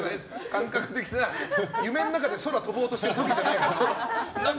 感覚的な夢の中で空飛ぼうとしてる時じゃないんだから。